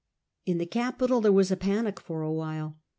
In the capital there was a panic for awhile.